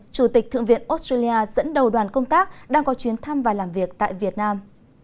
chủ tịch thượng viện australia dẫn đầu đoàn công tác đang có chuyến thăm và làm việc tại việt nam